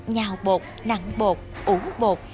nhào bột nặng bột ủ bột